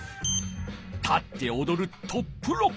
立っておどるトップロック。